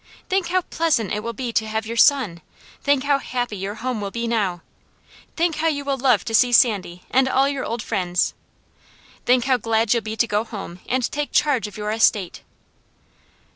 Think how pleasant it will be to have your son! Think how happy your home will be now! Think how you will love to see Sandy, and all your old friends! Think how glad you'll be to go home, and take charge of your estate!"